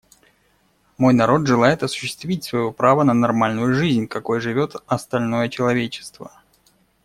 Мой народ желает осуществить свое право на нормальную жизнь, какой живет остальное человечество.